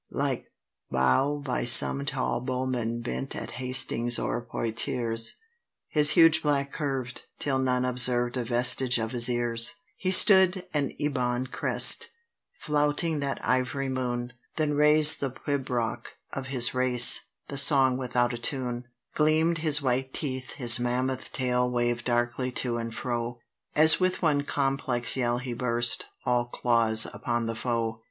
Like bow by some tall bowman bent at Hastings or Poictiers, His huge back curved, till none observed a vestige of his ears: He stood, an ebon crescent, flouting that ivory moon; Then raised the pibroch of his race, the Song without a Tune; Gleam'd his white teeth, his mammoth tail waved darkly to and fro, As with one complex yell he burst, all claws, upon the foe.